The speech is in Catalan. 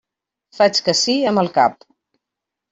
Faig que sí amb el cap.